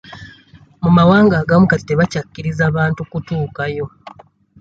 Mu mawanga agamu kati tebakyakkiriza bantu kutuukayo.